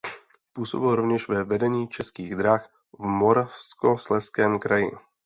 Působil rovněž ve vedení Českých drah v Moravskoslezském kraji.